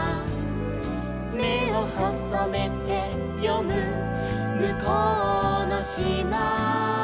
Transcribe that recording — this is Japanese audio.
「めをほそめてよむむこうのしま」